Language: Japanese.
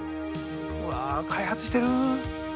わ開発してる。